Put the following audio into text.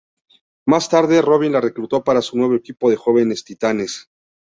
Más tarde Robin la reclutó para su nuevo equipo de jóvenes titanes.